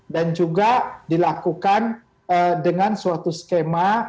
dan juga dilakukan dengan suatu skema